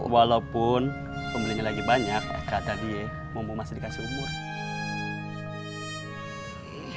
walaupun pembelinya lagi banyak kata dia mumpung masih dikasih umur